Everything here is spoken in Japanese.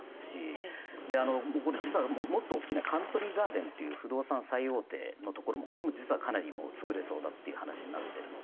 これ実はもっと大きなカントリー・ガーデンという不動産最大手のところもこれも実はかなりもう潰れそうだっていう話になってるので。